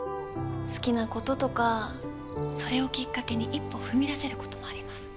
好きなこととかそれをきっかけに一歩踏み出せることもあります。